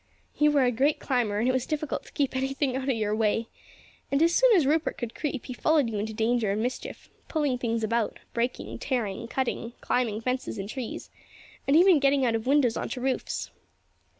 "You were a great climber and it was difficult to keep anything out of your way; and as soon as Rupert could creep he followed you into danger and mischief; pulling things about, breaking, tearing, cutting, climbing fences and trees, and even getting out of windows on to roofs.